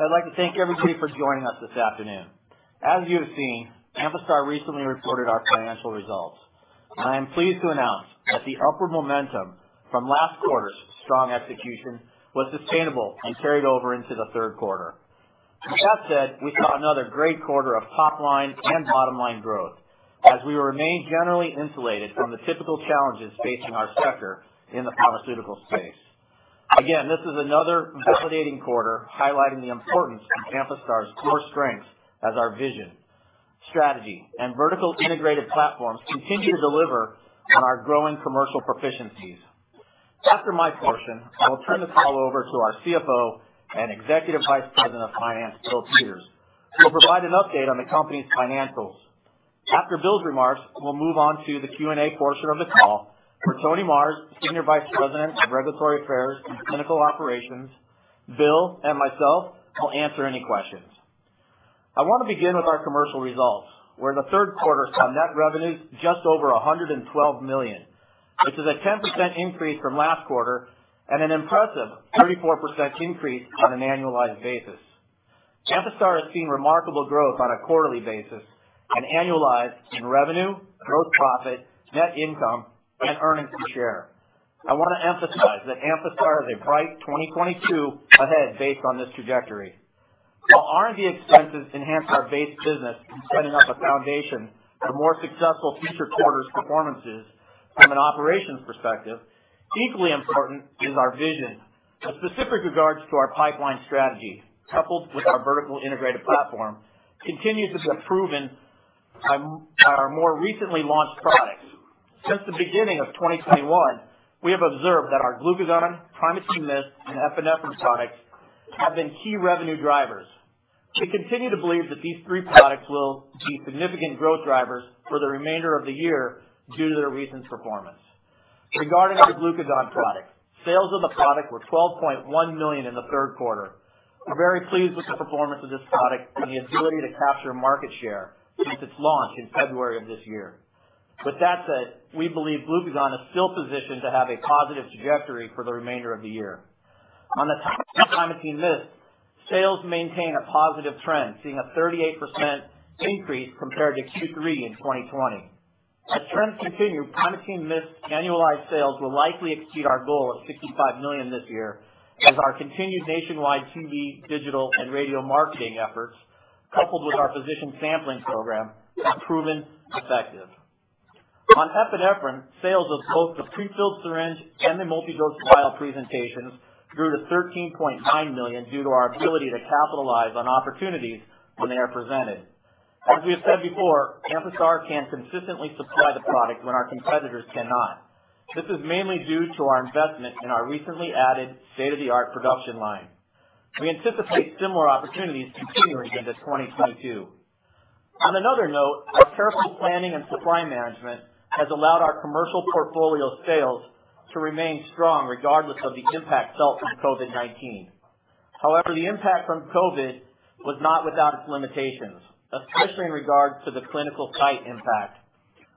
I'd like to thank everybody for joining us this afternoon. As you have seen, Amphastar recently reported our financial results. I am pleased to announce that the upward momentum from last quarter's strong execution was sustainable and carried over into Q3. With that said, we saw another great quarter of top line and bottom line growth as we remain generally insulated from the typical challenges facing our sector in the pharmaceutical space. Again, this is another validating quarter highlighting the importance of Amphastar's core strengths as our vision, strategy, and vertical integrated platforms continue to deliver on our growing commercial proficiencies. After my portion, I will turn the call over to our CFO and Executive Vice President of Finance, Bill Peters, who will provide an update on the company's financials. After Bill's remarks, we'll move on to the Q&A portion of the call where Tony Marrs, Senior Vice President of Regulatory Affairs and Clinical Operations, Bill, and myself will answer any questions. I want to begin with our commercial results, where Q3 saw net revenues just over $112 million, which is a 10% increase from last quarter and an impressive 34% increase on an annualized basis. Amphastar has seen remarkable growth on a quarterly basis and annualized in revenue, gross profit, net income, and earnings per share. I want to emphasize that Amphastar has a bright 2022 ahead based on this trajectory. While R&D expenses enhance our base business in setting up a foundation for more successful future quarters performances from an operations perspective, equally important is our vision with specific regards to our pipeline strategy, coupled with our vertically integrated platform, continues to be proven by our more recently launched products. Since the beginning of 2021, we have observed that our Glucagon, Primatene MIST, and Epinephrine products have been key revenue drivers. We continue to believe that these three products will be significant growth drivers for the remainder of the year due to their recent performance. Regarding the Glucagon product, sales of the product were $12.1 million in Q3. We're very pleased with the performance of this product and the ability to capture market share since its launch in February of this year. With that said, we believe Glucagon is still positioned to have a positive trajectory for the remainder of the year. On top of Primatene MIST, sales maintain a positive trend, seeing a 38% increase compared to Q3 in 2020. As trends continue, Primatene MIST annualized sales will likely exceed our goal of $65 million this year as our continued nationwide TV, digital, and radio marketing efforts, coupled with our physician sampling program, have proven effective. On Epinephrine, sales of both the pre-filled syringe and the multi-dose vial presentations grew to $13.9 million due to our ability to capitalize on opportunities when they are presented. As we have said before, Amphastar can consistently supply the product when our competitors cannot. This is mainly due to our investment in our recently added state-of-the-art production line. We anticipate similar opportunities continuing into 2022. On another note, our careful planning and supply management has allowed our commercial portfolio sales to remain strong regardless of the impact felt from COVID-19. However, the impact from COVID was not without its limitations, especially in regards to the clinical site impact.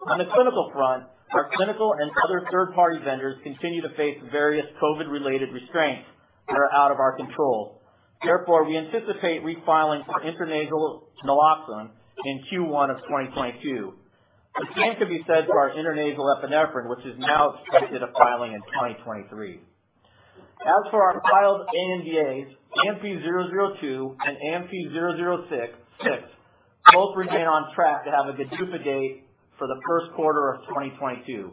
On the clinical front, our clinical and other third-party vendors continue to face various COVID-related restraints that are out of our control. Therefore, we anticipate refiling for intranasal naloxone in Q1 2022. The same could be said for our intranasal epinephrine, which is now expected for filing in 2023. As for our filed ANDAs, AMP-002 and AMP-006 both remain on track to have a GDUFA date for Q1 of 2022.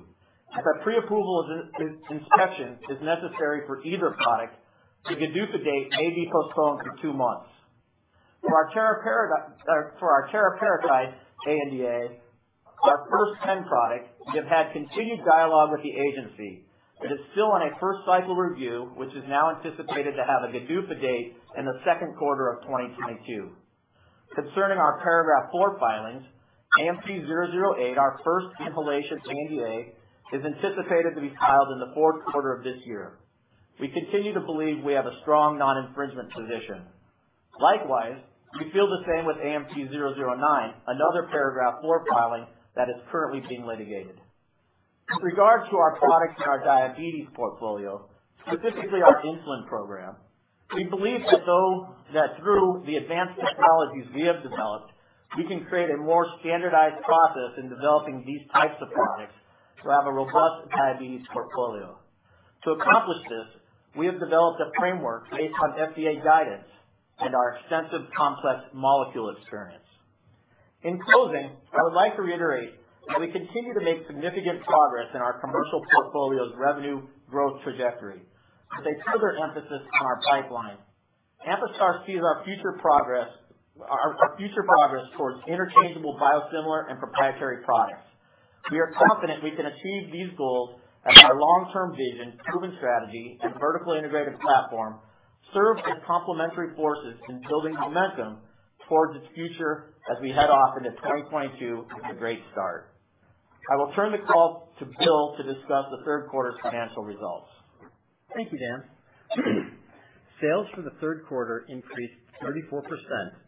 If a pre-approval inspection is necessary for either product, the GDUFA date may be postponed for two months. For our teriparatide, for our teriparatide ANDA, our first pen product, we have had continued dialogue with the agency. It is still on a first cycle review, which is now anticipated to have a GDUFA date in Q2 of 2022. Concerning our Paragraph IV filings, AMP-008, our first inhalation ANDA, is anticipated to be filed in Q4 of this year. We continue to believe we have a strong non-infringement position. Likewise, we feel the same with AMP-009, another Paragraph IV filing that is currently being litigated. With regards to our products in our diabetes portfolio, specifically our insulin program, we believe that through the advanced technologies we have developed, we can create a more standardized process in developing these types of products to have a robust diabetes portfolio. To accomplish this, we have developed a framework based on FDA guidance and our extensive complex molecule experience. In closing, I would like to reiterate that we continue to make significant progress in our commercial portfolio's revenue growth trajectory with a further emphasis on our pipeline. Amphastar sees our future progress towards interchangeable biosimilar and proprietary products. We are confident we can achieve these goals as our long-term vision, proven strategy, and vertically integrated platform serve as complementary forces in building momentum towards its future as we head off into 2022 with a great start. I will turn the call to Bill to discuss Q3 financial results. Thank you, Dan. Sales for Q3 increased 34%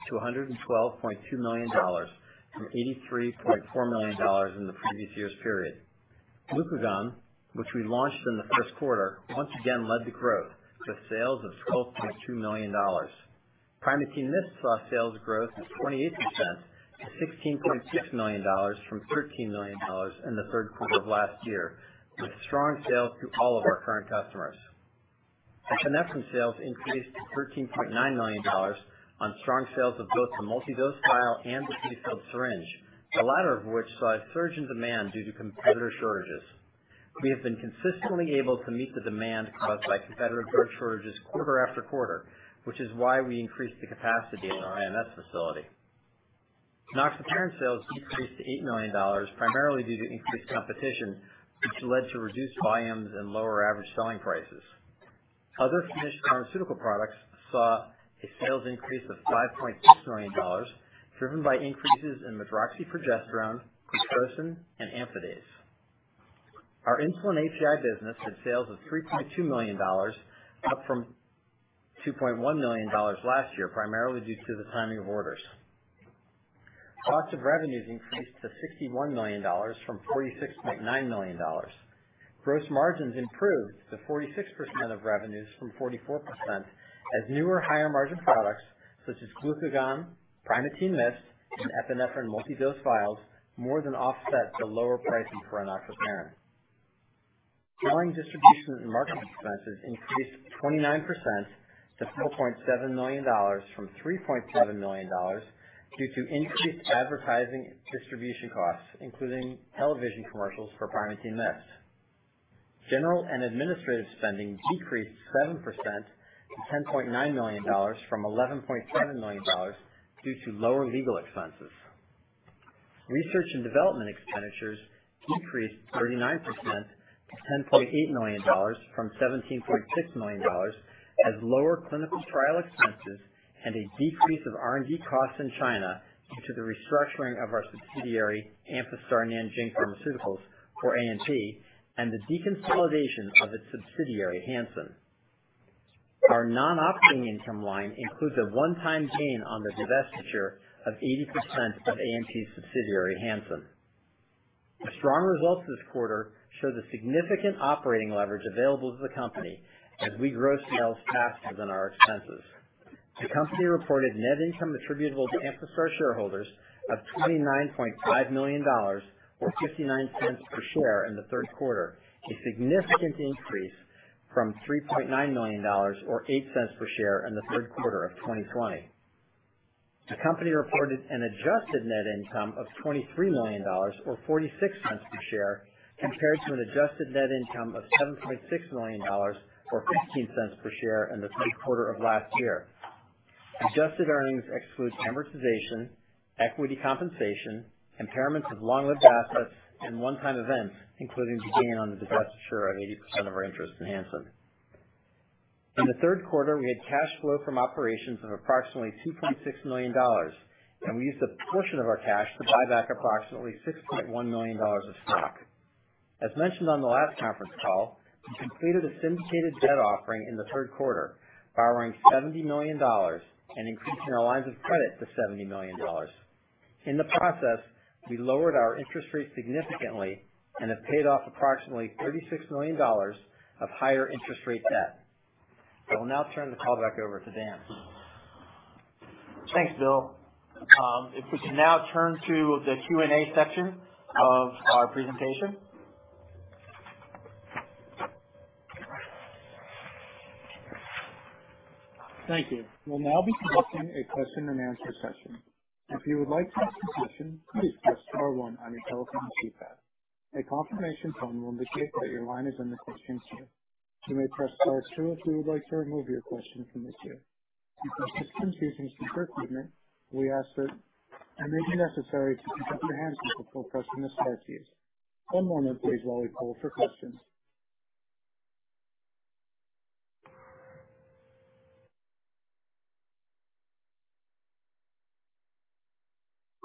to $112.2 million from $83.4 million in the previous year's period. Glucagon, which we launched in Q1, once again led the growth with sales of $12.2 million. Primatene MIST saw sales growth of 28% to $16.6 million from $13 million in Q3 of last year, with strong sales to all of our current customers. Epinephrine sales increased to $13.9 million on strong sales of both the multi-dose vial and the pre-filled syringe, the latter of which saw a surge in demand due to competitor shortages. We have been consistently able to meet the demand caused by competitor drug shortages quarter after quarter, which is why we increased the capacity in our IMS facility. Enoxaparin sales decreased to $8 million, primarily due to increased competition, which led to reduced volumes and lower average selling prices. Other finished pharmaceutical products saw a sales increase of $5.6 million, driven by increases in medroxyprogesterone, Pitressin, and Amphadase. Our insulin API business had sales of $3.2 million, up from $2.1 million last year, primarily due to the timing of orders. Cost of revenues increased to $61 million from $46.9 million. Gross margins improved to 46% of revenues from 44% as newer higher margin products such as Glucagon, Primatene MIST, and Epinephrine multi-dose vials more than offset the lower pricing for enoxaparin. Selling, distribution, and marketing expenses increased 29% to $4.7 million from $3.7 million due to increased advertising distribution costs, including television commercials for Primatene MIST. General and administrative spending decreased 7% to $10.9 million from $11.7 million due to lower legal expenses. Research and development expenditures decreased 39% to $10.8 million from $17.6 million as lower clinical trial expenses and a decrease of R&D costs in China due to the restructuring of our subsidiary, Amphastar Nanjing Pharmaceuticals, or ANP, and the deconsolidation of its subsidiary, Hanxin. Our non-operating income line includes a one-time gain on the divestiture of 80% of ANP's subsidiary, Hanxin. The strong results this quarter show the significant operating leverage available to the company as we grow sales faster than our expenses. The company reported net income attributable to Amphastar shareholders of $29.5 million or $0.59 per share in Q3, a significant increase from $3.9 million or $0.08 per share in Q3 of 2020. The company reported an adjusted net income of $23 million or $0.46 per share compared to an adjusted net income of $7.6 million or $0.15 per share in Q3 of last year. Adjusted earnings exclude amortization, equity compensation, impairments of long-lived assets, and one-time events, including the gain on the divestiture of 80% of our interest in Hanxin. In Q3, we had cash flow from operations of approximately $2.6 million, and we used a portion of our cash to buy back approximately $6.1 million of stock. As mentioned on the last conference call, we completed a syndicated debt offering in Q3, borrowing $70 million and increasing our lines of credit to $70 million. In the process, we lowered our interest rate significantly and have paid off approximately $36 million of higher interest rate debt. I will now turn the call back over to Dan. Thanks, Bill. If we can now turn to the Q&A section of our presentation. Thank you. We'll now be conducting a question and answer session. If you would like to ask a question, please press star one on your telephone keypad. A confirmation tone will indicate that your line is in the question queue. You may press star two if you would like to remove your question from the queue. Because the system is using conference equipment, it may be necessary to pick up your handset before pressing the star keys. One moment please while we call for questions.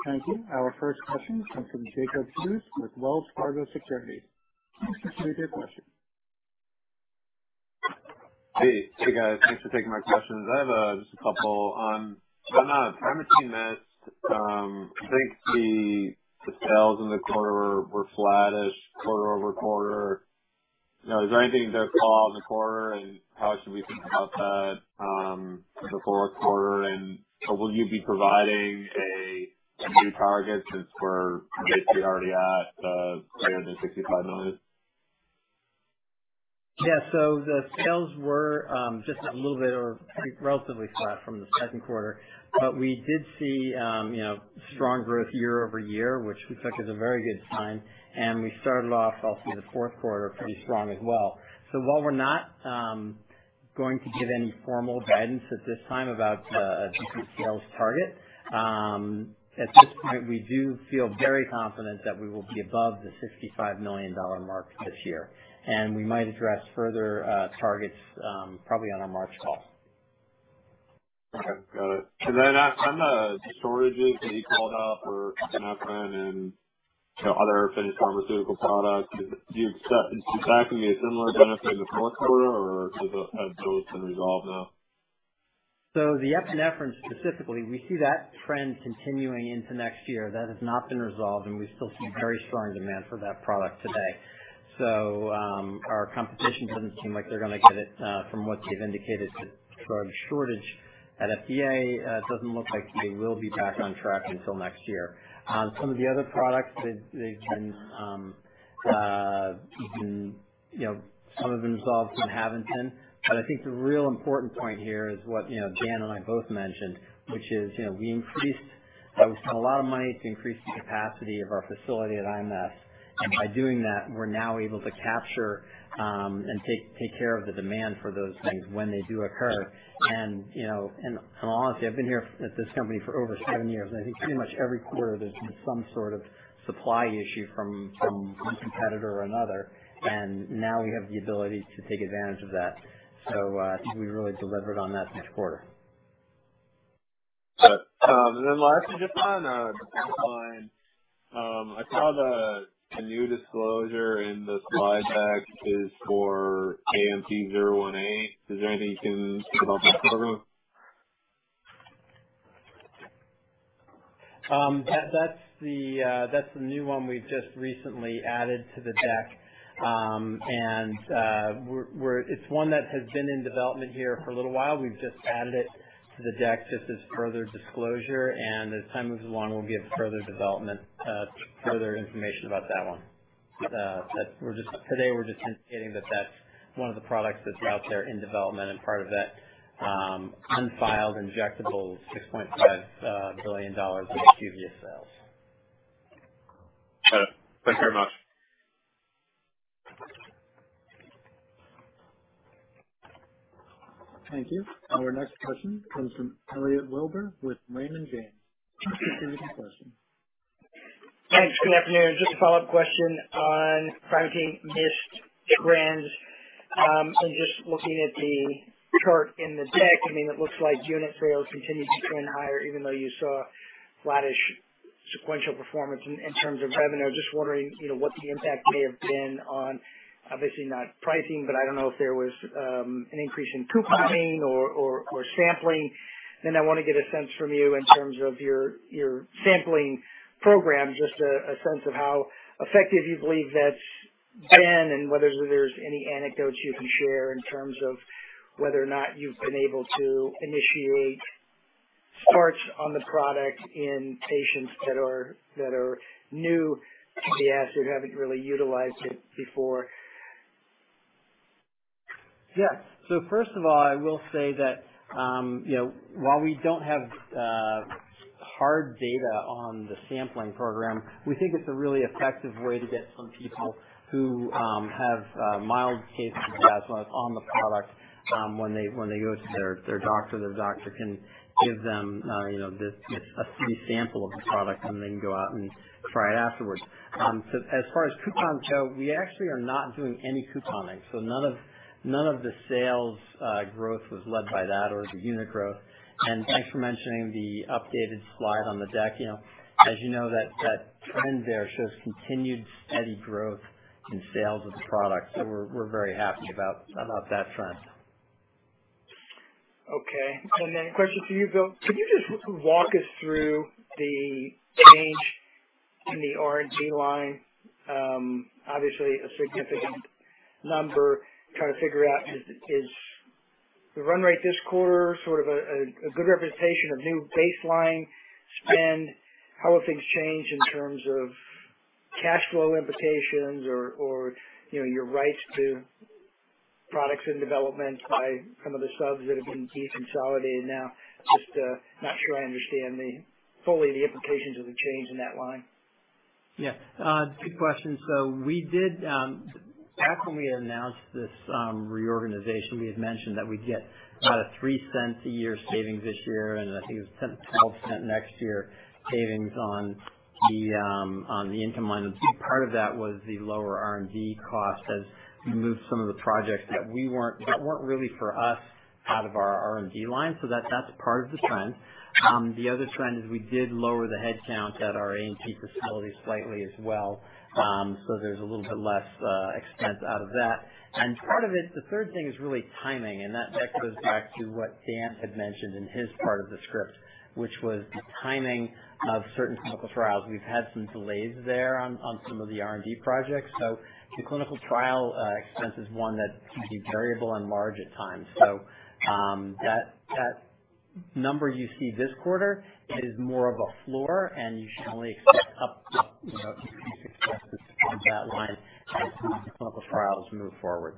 Thank you. Our first question comes from Jacob Hughes with Wells Fargo Securities. Please proceed with your question. Hey, guys. Thanks for taking my questions. I have just a couple. On the Primatene MIST, I think the sales in the quarter were flattish quarter-over-quarter. is there anything to call out in the quarter, and how should we think about that for Q4? Will you be providing a new target since we're basically already at greater than $65 million? Yes. The sales were just a little bit or relatively flat from Q2, but we did see strong growth year-over-year, which we took as a very good sign. We started off also Q4 pretty strong as well. While we're not going to give any formal guidance at this time about a future sales target, at this point, we do feel very confident that we will be above the $65 million mark this year. We might address further targets probably on our March call. Okay. Got it. Then on the shortages that you called out for epinephrine and other finished pharmaceutical products, is that going to be a similar dynamic in Q4, or has those been resolved now? The epinephrine specifically, we see that trend continuing into next year. That has not been resolved, and we still see very strong demand for that product today. Our competition doesn't seem like they're going to get it, from what they've indicated. The drug shortage at FDA, it doesn't look like they will be back on track until next year. Some of the other products, some have been resolved, some haven't been. I think the real important point here is what Dan and I both mentioned, which is, we spent a lot of money to increase the capacity of our facility at IMS, and by doing that, we're now able to capture and take care of the demand for those things when they do occur. Honestly, I've been here at this company for over seven years, and I think pretty much every quarter there's been some supply issue from one competitor or another, and now we have the ability to take advantage of that. I think we really delivered on that this quarter. Got it. Last, just on the bottom line. I saw a new disclosure in the slide deck is for AMP-018. Is there anything you can speak about that program? That's the new one we've just recently added to the deck. It's one that has been in development here for a little while. We've just added it to the deck just as further disclosure, and as time moves along, we'll give further development, further information about that one. Today, we're just indicating that that's one of the products that's out there in development and part of that unfiled, injectable $6.5 billion of the IQVIA sales. Got it. Thanks very much. Thank you. Our next question comes from Elliot Wilbur with Raymond James. Please proceed with your question. Thanks. Good afternoon. Just a follow-up question on Primatene MIST trends. Just looking at the chart in the deck, it looks like unit sales continued to trend higher even though you saw flattish sequential performance in terms of revenue. Just wondering, what the impact may have been on, obviously not pricing, but I don't know if there was an increase in couponing or sampling. I want to get a sense from you in terms of your sampling program, just a sense of how effective you believe that's been and whether there's any anecdotes you can share in terms of whether or not you've been able to initiate starts on the product in patients that are new to the asset, haven't really utilized it before. Yes. First of all, I will say that, while we don't have hard data on the sampling program, we think it's a really effective way to get some people who have mild cases of asthma on the product, when they go to their doctor can give them a free sample of the product, and they can go out and try it afterwards. As far as coupons go, we actually are not doing any couponing, so none of the sales growth was led by that or the unit growth. Thanks for mentioning the updated slide on the deck. As you know that trend there shows continued steady growth in sales of the product. We're very happy about that trend. Okay. A question for you, Bill. Could you just walk us through the change in the R&D line? Obviously a significant number. Trying to figure out, is the run rate this quarter a good representation of new baseline spend? How have things changed in terms of cash flow implications or, your rights to products in development by some of the subs that have been de-consolidated now? Just not sure I fully understand the implications of the change in that line. Yes. Good question. We did. Back when we announced this reorganization, we had mentioned that we'd get $0.03 a year savings this year, and I think it was $0.10-$0.12 next year savings on the income line. Part of that was the lower R&D costs as we moved some of the projects that weren't really for us out of our R&D line. That's part of the trend. The other trend is we did lower the headcount at our ANP facility slightly as well. So there's a little bit less expense out of that. Part of it, the third thing is really timing, and that goes back to what Dan had mentioned in his part of the script, which was the timing of certain clinical trials. We've had some delays there on some of the R&D projects. The clinical trial expense is one that can be variable and large at times. That number you see this quarter is more of a floor, and you should only expect increases up that line as these clinical trials move forward.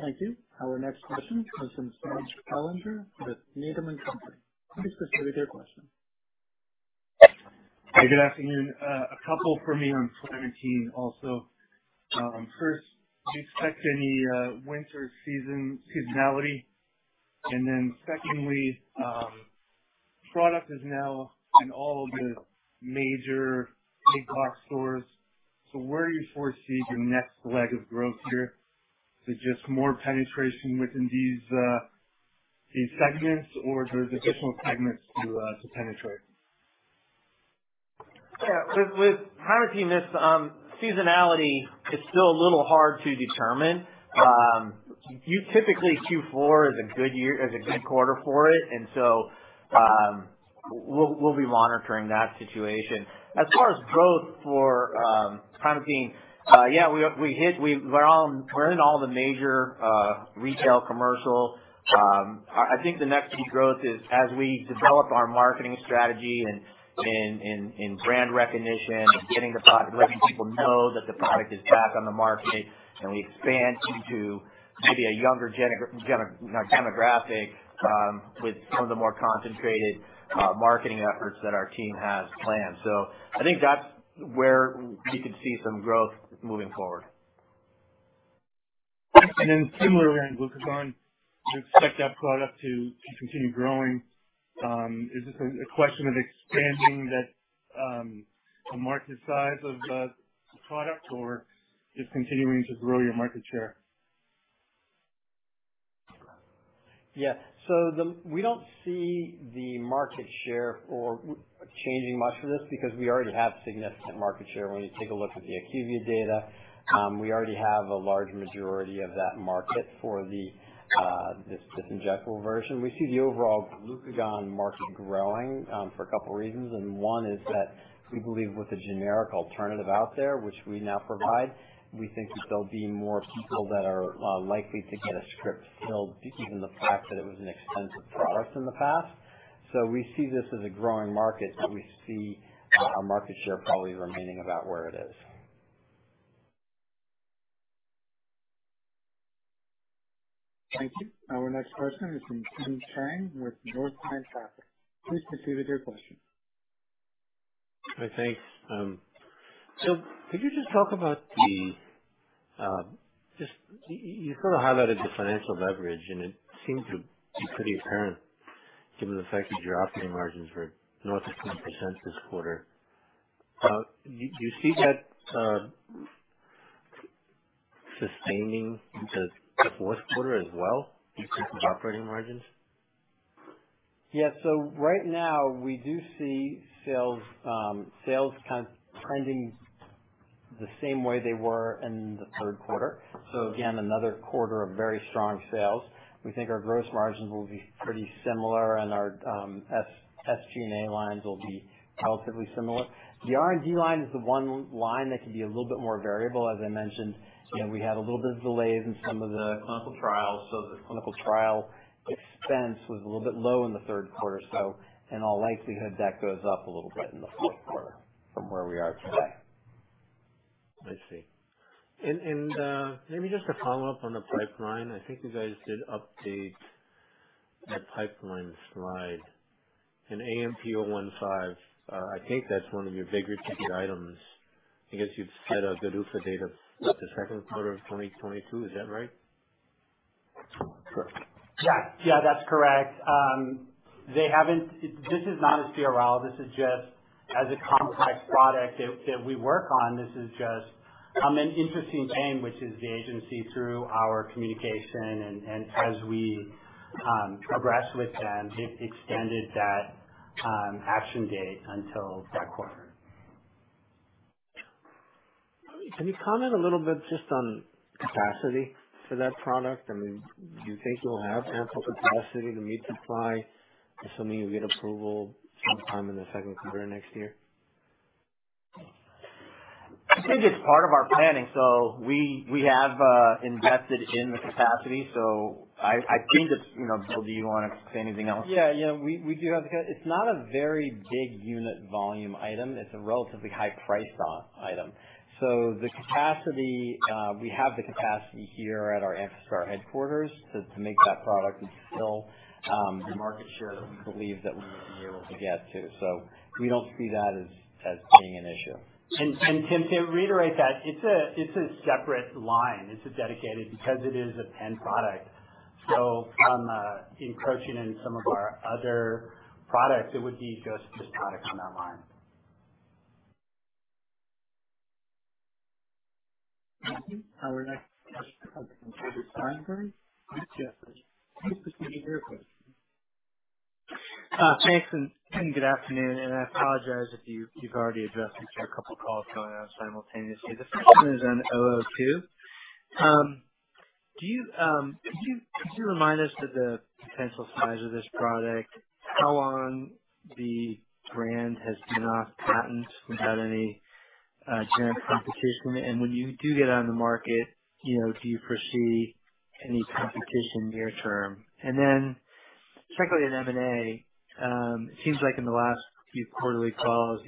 Thank you. Our next question comes from Serge Belanger with Needham & Company. Please proceed with your question. Hey, good afternoon. A couple for me on 20. Also, first, do you expect any winter season seasonality? Then secondly, product is now in all of the major big box stores. So where do you foresee your next leg of growth here? Is it just more penetration within these segments, or there's additional segments to penetrate? Yes, with Primatene, this seasonality is still a little hard to determine. Typically, Q4 is a good quarter for it. We'll be monitoring that situation. As far as growth for Primatene we've hit, we're in all the major retail commercial. I think the next key growth is as we develop our marketing strategy and brand recognition, getting the product, letting people know that the product is back on the market, and we expand into maybe a younger generation with some of the more concentrated marketing efforts that our team has planned. I think that's where we could see some growth moving forward. Similarly, on Glucagon, you expect that product to continue growing. Is this a question of expanding that, the market size of the product or just continuing to grow your market share? Yes. We don't see the market share or changing much for this because we already have significant market share. When you take a look at the IQVIA data, we already have a large majority of that market for the this injectable version. We see the overall Glucagon market growing for a couple reasons. One is that we believe with a generic alternative out there, which we now provide, we think that there'll be more people that are likely to get a script filled, given the fact that it was an expensive product in the past. We see this as a growing market, but we see our market share probably remaining about where it is. Thank you. Our next question is from Tim Chiang with Northland Capital Markets. Please proceed with your question. Hi. Thanks. Could you just talk about the just you highlighted the financial leverage, and it seems to be pretty apparent given the fact that your operating margins were north of 10% this quarter. Do you see that sustaining into Q4 as well, these operating margins? Yes. Right now, we do see sales trending the same way they were in Q3. Again, another quarter of very strong sales. We think our gross margins will be pretty similar and our SG&A lines will be relatively similar. The R&D line is the one line that can be a little bit more variable. As I mentioned, we had a little bit of delays in some of the clinical trials, so the clinical trial expense was a little bit low in Q3. In all likelihood, that goes up a little bit in Q4 from where we are today. I see. Maybe just a follow-up on the pipeline. I think you guys did update that pipeline slide. In AMP-015, I think that's one of your bigger ticket items. I guess you've set a GDUFA date of Q2 of 2022. Is that right? Yes. That's correct. This is not a CRL. This is just a complex product that we work on. This is just an interesting thing, which is the agency through our communication and as we progress with them, they've extended that action date until that quarter. Can you comment a little bit just on capacity for that product? Do you think you'll have ample capacity to meet supply, assuming you get approval sometime in Q2 next year? I think it's part of our planning, so we have invested in the capacity. I think it's, Bill, do you want to say anything else? Yes. We do have the capacity. It's not a very big unit volume item. It's a relatively high price item. We have the capacity here at our Amphastar headquarters to make that product and fill the market share that we believe that we will be able to get to. We don't see that as being an issue. Tim, to reiterate that, it's a separate line. It's a dedicated because it is a pen product. From encroaching in some of our other products, it would be just this product on that line. Thank you. Our next question comes from David Steinberg, Jefferies. Please proceed with your question. Thanks, good afternoon, I apologize if you've already addressed this. There are a couple calls going on simultaneously. The first one is on AMP-002. Could you remind us of the potential size of this product, how long the brand has been off patent without any generic competition? When you do get on the market, do you foresee any competition near term? Secondly, on M&A, it seems like in the last few quarterly calls,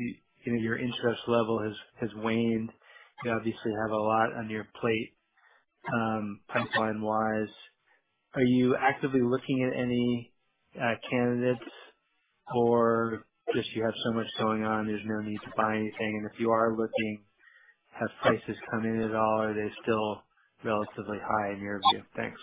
your interest level has waned. You obviously have a lot on your plate, pipeline-wise. Are you actively looking at any candidates or just you have so much going on there's no need to buy anything? If you are looking, have prices come in at all or are they still relatively high in your view? Thanks.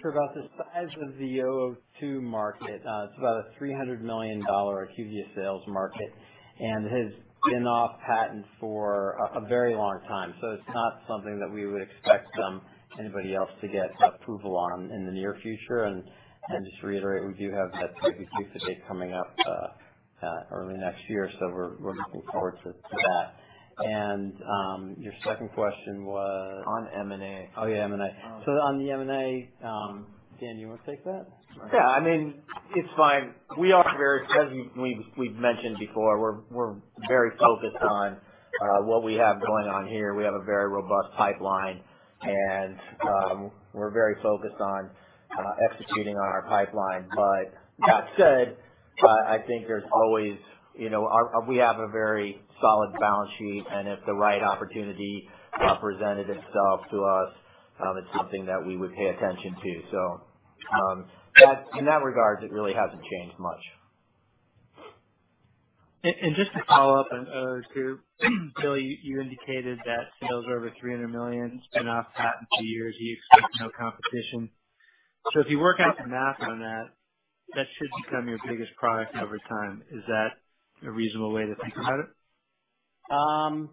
Sure. About the size of the AMP-002 market, it's about a $300 million acute-use sales market and has been off patent for a very long time. It's not something that we would expect anybody else to get approval on in the near future. Just to reiterate, we do have that type two GDUFA date coming up early next year, so we're looking forward to that. Your second question was? On M&A. Yes. M&A. On the M&A, Dan, you want to take that or? Yes, it's fine. As we've mentioned before, we're very focused on what we have going on here. We have a very robust pipeline and we're very focused on executing on our pipeline. That said, I think there's always, we have a very solid balance sheet, and if the right opportunity presented itself to us, it's something that we would pay attention to. In that regard, it really hasn't changed much. Just to follow up, group. Bill, you indicated that sales are over $300 million, been off patent two years, you expect no competition. If you work out the math on that should become your biggest product over time. Is that a reasonable way to think about it?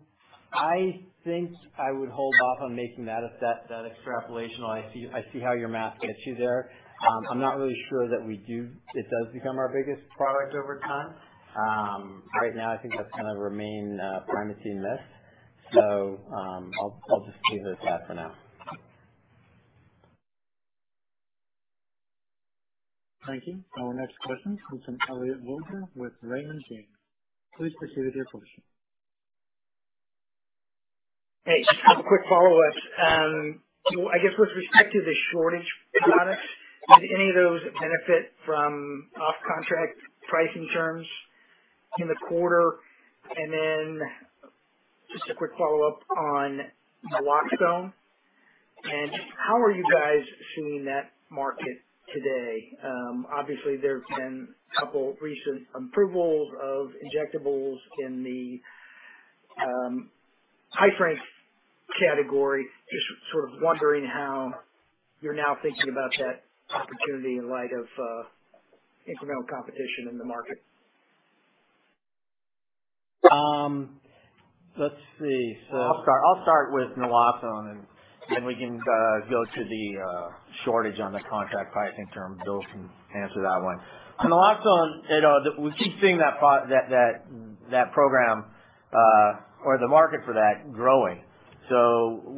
I think I would hold off on making that a safe extrapolation. I see how your math gets you there. I'm not really sure that it does become our biggest product over time. Right now I think that's going to remain Primatene MIST. I'll just leave it at that for now. Thank you. Our next question is from Elliot Wilbur with Raymond James. Please proceed with your question. Hey, just a quick follow-up. I guess with respect to the shortage products, did any of those benefit from off contract pricing terms in the quarter? Just a quick follow-up on Naloxone, and how are you guys seeing that market today? Obviously there have been a couple recent approvals of injectables in the high strength category. Just wondering how you're now thinking about that opportunity in light of incremental competition in the market. Let's see. I'll start with Naloxone, and we can go to the shortage on the contract pricing term. Bill can answer that one. Naloxone, we keep seeing that program or the market for that growing.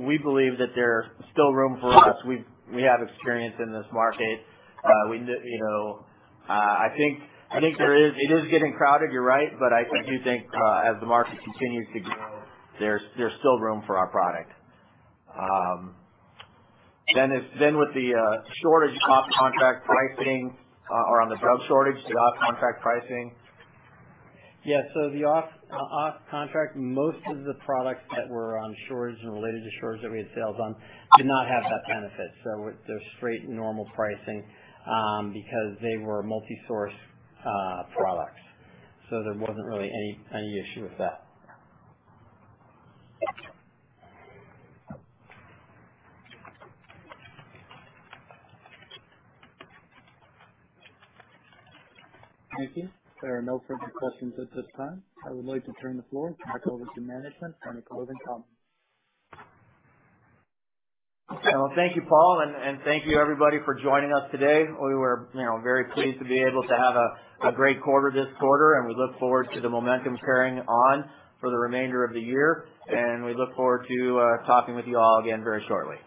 We believe that there's still room for us. We have experience in this market. I think there is. It is getting crowded, you're right. I do think, as the market continues to grow, there's still room for our product. With the shortage off-contract pricing, or on the drug shortage, the off-contract pricing. Yes. The off-contract, most of the products that were on shortage and related to shortage that we had sales on did not have that benefit. It was just straight normal pricing, because they were multi-source products. There wasn't really any issue with that. Thank you. There are no further questions at this time. I would like to turn the floor back over to management for any closing comments. Well, thank you, Paul, and thank you everybody for joining us today. We were very pleased to be able to have a great quarter this quarter and we look forward to the momentum carrying on for the remainder of the year. We look forward to talking with you all again very shortly.